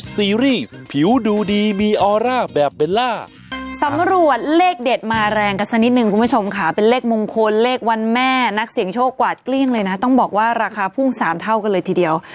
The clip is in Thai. ซีรีส์ผิวดูดีมีออร่าแบบเบลล่าสำรวจเลขเด็ดมาแรงกันสักนิดนึงคุณผู้ชมค่ะเป็นเลขมงคลเลขวันแม่นักเสี่ยงโชคกวาดเกลี้ยงเลยนะต้องบอกว่าราคาพุ่งสามเท่ากันเลยทีเดียว